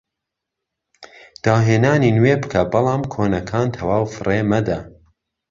داهێنانی نوێ بکە بەڵام کۆنەکان تەواو فڕێ مەدە